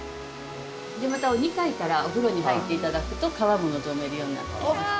でまたお２階からお風呂に入って頂くと川も望めるようになってます。